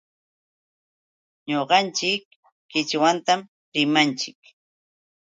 Ñuqanchik qichwatam rimanchik.